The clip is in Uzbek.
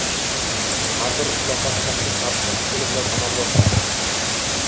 Har bir islohot shaksiz xalqning qo‘li bilan amalga oshadi.